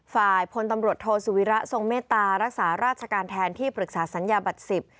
พลตำรวจโทสุวิระทรงเมตตารักษาราชการแทนที่ปรึกษาสัญญาบัตรสิบ